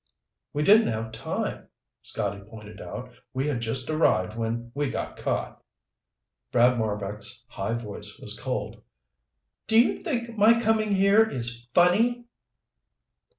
"We didn't have time," Scotty pointed out. "We had just arrived when we got caught." Brad Marbek's high voice was cold. "Do you think my coming here is funny?"